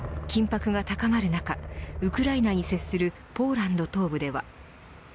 緊迫が高まる中ウクライナに接するポーランド東部では。